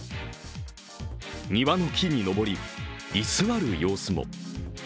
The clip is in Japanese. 庭の木に登り、居座る様子も。